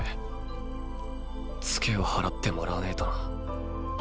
ツケを払ってもらわねぇとな。